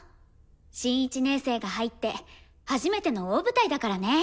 新１年生が入って初めての大舞台だからね。